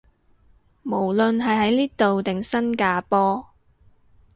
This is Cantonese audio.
無論係喺呢度定新加坡